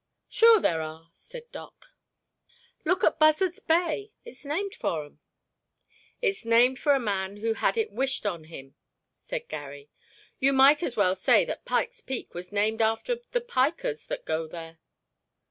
"Sure there are," said Doc. "Look at Buzzard's Bay—it's named for 'em." "It's named for a man who had it wished on him," said Garry. "You might as well say that Pike's Peak was named after the pikers that go there."